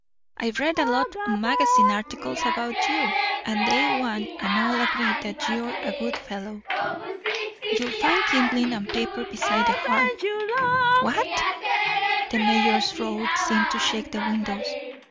I've read a lot of magazine articles about you, and they one and all agree that you're a good fellow. You'll find kindling and paper beside the hearth." "What!" The mayor's roar seemed to shake the windows.